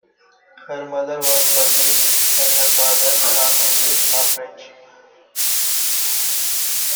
Her mother was Burmese, and her father half-English, half-French.